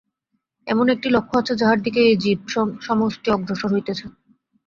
এমন একটি লক্ষ্য আছে, যাহার দিকে এই জীব-সমষ্টি অগ্রসর হইতেছে।